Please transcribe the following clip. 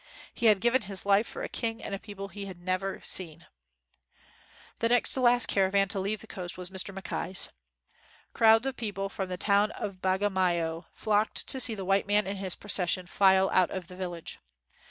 He had given his life for a king and a people he had never seen. The next to the last caravan to leave the coast was Mr. Mackay 's. Crowds of peo ple from the town of Bagamoyo flocked to see the white man and his procession file out of the village.